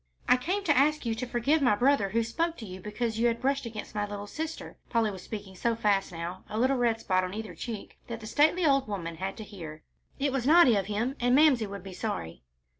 "I came to ask you to forgive my brother who spoke to you because you brushed against my little sister." Polly was speaking so fast now, a little red spot on either cheek, that the stately old woman had to hear. "It was naughty of him, and Mamsie would be sorry."